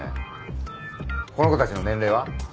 この子たちの年齢は？